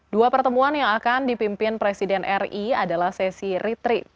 dua pertemuan yang akan dipimpin presiden ri adalah sesi retreat